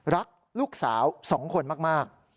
รักลูกสาว๒คนมาก